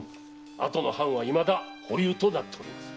あとの藩はいまだ保留となっております。